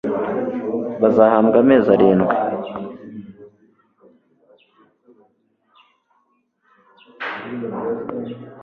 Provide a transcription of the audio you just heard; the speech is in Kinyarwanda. bazahambwa amezi arindwi